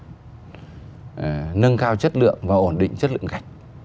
đầu tiên là nâng cao chất lượng và ổn định chất lượng gạch